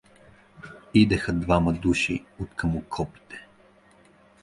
Идеха двама души откъм окопите.